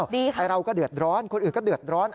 เราก็เดือดร้อนคนอื่นก็เดือดร้อน